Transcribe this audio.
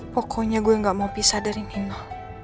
pokoknya gue gak mau pisah dari nino